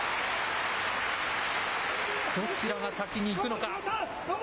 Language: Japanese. どちらが先にいくのか。